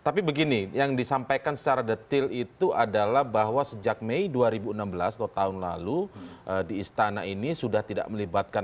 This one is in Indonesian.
tapi begini yang disampaikan secara detail itu adalah bahwa sejak mei dua ribu enam belas atau tahun lalu di istana ini sudah tidak melibatkan